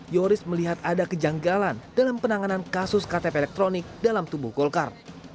yoris melihat ada kejanggalan dalam penanganan kasus ktp elektronik dalam tubuh golkar